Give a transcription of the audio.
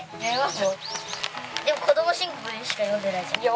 でも子供新聞しか読んでないじゃん。